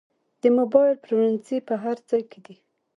د موبایل پلورنځي په هر ځای کې دي